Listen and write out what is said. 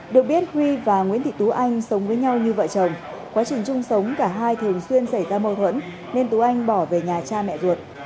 được biết huy và nguyễn thị tú anh sống với nhau như vợ chồng quá trình chung sống cả hai thường xuyên xảy ra mâu thuẫn nên tú anh bỏ về nhà cha mẹ ruột